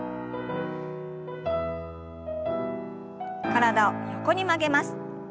体を横に曲げます。